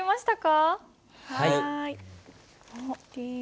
はい。